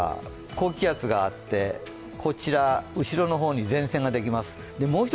高気圧があって、こちら後ろの方に前線ができます。